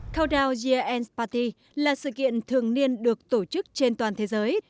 caudao year end party là sự kiện thường niên được tổ chức trên toàn thế giới